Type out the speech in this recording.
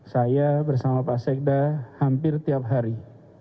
saya bersama pak sekda hampir tiap hari